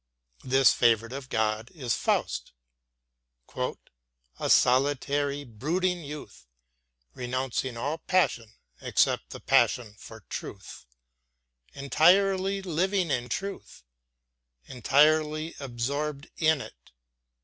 This favorite of God is Faust, "a solitary, brooding youth, renouncing all passion except the passion for truth, entirely living in truth, entirely absorbed in it."